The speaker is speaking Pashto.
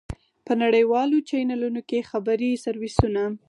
په نړیوالو چېنلونو کې خبري سرویسونه.